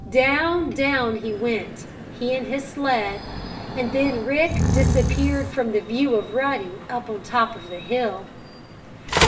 Down, down he went, he and his sled. And then Rick disappeared from the view of Ruddy up on top of the hill.